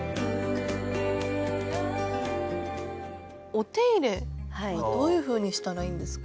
お手入れはどういうふうにしたらいいんですか？